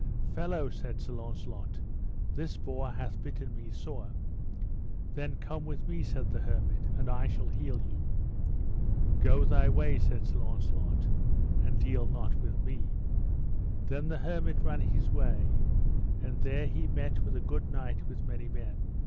Fellow, said Sir Launcelot, this boar hath bitten me sore. Then come with me, said the hermit, and I shall heal you. Go thy way, said Sir Launcelot, and deal not with me. Then the hermit ran his way, and there he met with a good knight with many men.